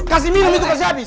kasih minum itu kasih habis